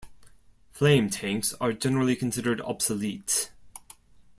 Flame tanks are generally considered obsolete.